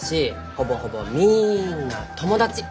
ほぼほぼみんな友達。